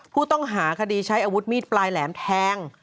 ผู้ต้องหาคดีใช้อาวุธมีดปลายแหลมแทง